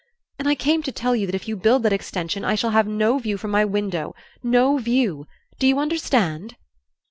"And I came to tell you that if you build that extension I shall have no view from my window no view! Do you understand?"